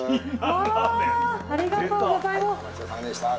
ありがとうございます。